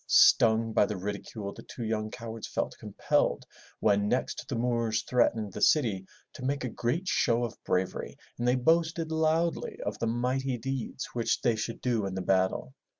Stung by the ridicule, the two young cowards felt compelled when next the Moors threatened the city, to make a great show of bravery and they boasted loudly of the mighty deeds which they should do in the battle.